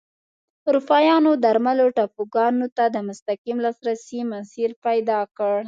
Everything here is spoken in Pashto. اروپایانو درملو ټاپوګانو ته د مستقیم لاسرسي مسیر پیدا کړ.